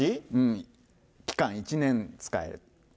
期間１年使える。